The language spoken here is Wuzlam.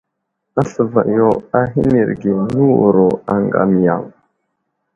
Slakama yo ahənərge nəwuro aŋgam yaŋ.